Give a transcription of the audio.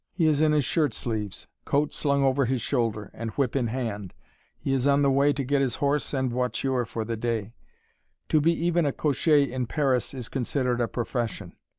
He is in his shirt sleeves; coat slung over his shoulder, and whip in hand, he is on the way to get his horse and voiture for the day. To be even a cocher in Paris is considered a profession.